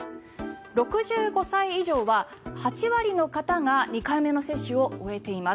６５歳以上は８割の方が２回目の接種を終えています。